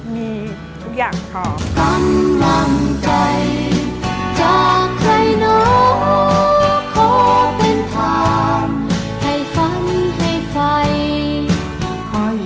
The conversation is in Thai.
มีทุกอย่างพอ